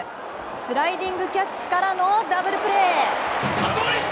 スライディングキャッチからのダブルプレー！